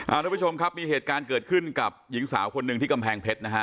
ทุกผู้ชมครับมีเหตุการณ์เกิดขึ้นกับหญิงสาวคนหนึ่งที่กำแพงเพชรนะฮะ